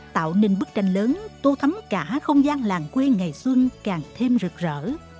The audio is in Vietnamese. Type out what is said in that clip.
tạo nên bức tranh lớn tô thấm cả không gian làng quê ngày xuân càng thêm rực rỡ